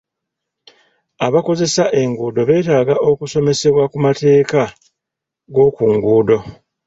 Abakozesa enguudo beetaaga okusomesebwa ku amateeka g'oku nguudo.